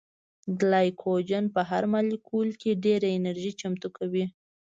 ګلایکوجن په هر مالیکول کې ډېره انرژي چمتو کوي